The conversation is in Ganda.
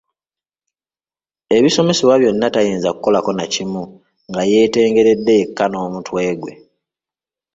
Ebisomesebwa byonna tayinza kukolako nakimu nga yeetengeredde yekka n'omutwe gwe.